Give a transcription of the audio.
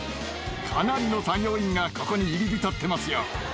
かなりの作業員がここに入り浸ってますよ。